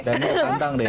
dan itu tantang deh